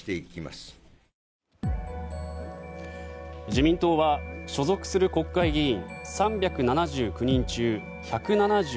自民党は所属する国会議員３７９人中１７９人。